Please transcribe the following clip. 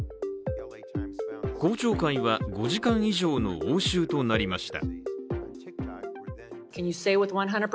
公聴会は５時間以上の応酬となりました。